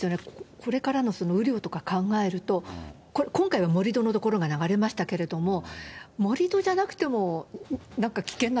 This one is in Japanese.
これからの雨量とか考えると、今回は盛り土の所が流れましたけれども、盛り土じゃなくても、なんか危険な